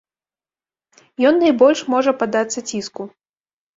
Ён найбольш можа паддацца ціску.